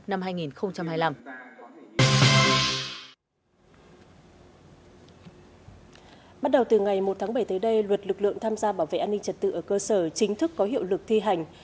bắt đầu từ ngày một tháng bảy tới đây luật lực lượng tham gia bảo vệ an ninh trật tự ở cơ sở chính thức có hiệu lực thi hành